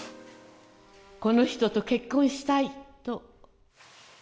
この人と結婚したい！と。